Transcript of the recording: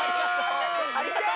ありがとう！